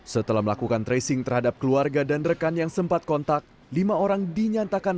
setelah melakukan tracing terhadap keluarga dan rekan yang sempat kontak lima orang dinyatakan